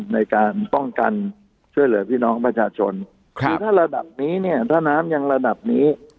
ในการป้องกันช่วยเหลือพี่น้องประชาชนคือถ้าระดับนี้เนี่ยถ้าน้ำยังระดับนี้